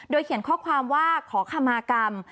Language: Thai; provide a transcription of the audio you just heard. เขียนข้อความว่าขอคำมากรรม